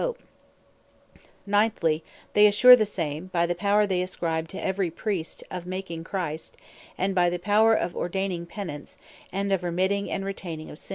Transubstantiation, Penance, Absolution Ninthly, they assure the same, by the Power they ascribe to every Priest, of making Christ; and by the Power of ordaining Pennance; and of Remitting, and Retaining of sins.